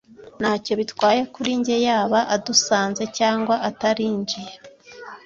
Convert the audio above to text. Ntacyo bitwaye kuri njye yaba adusanze cyangwa atarinjiye.